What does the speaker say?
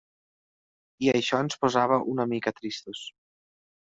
I això ens posava una mica tristos.